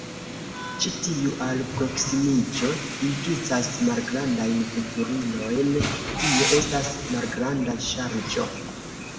Ĉi tiu alproksimiĝo implicas malgrandajn veturilojn, tio estas malgranda ŝarĝo.